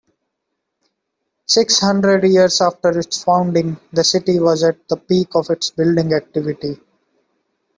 Six hundred years after its founding, the city was at the peak of its building activity.